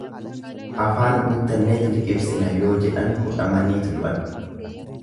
Afaan guuttanneet liqimsina yoo jedhan hudhamaniit du'an.